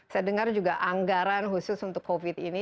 saya dengar juga anggaran khusus untuk covid ini